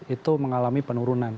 itu mengalami penurunan